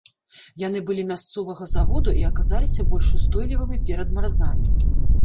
Яны былі мясцовага заводу і аказаліся больш устойлівымі перад маразамі.